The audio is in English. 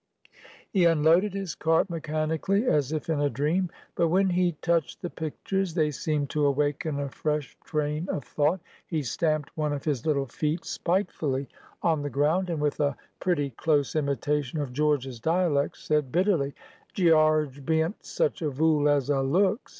He unloaded his cart mechanically, as if in a dream; but when he touched the pictures, they seemed to awaken a fresh train of thought. He stamped one of his little feet spitefully on the ground, and, with a pretty close imitation of George's dialect, said bitterly, "Gearge bean't such a vool as a looks!"